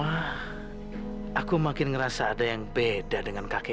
aku yakin aku taruh di sini